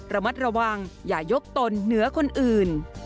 ระมัดระวังอย่ายกตนเหนือคนอื่น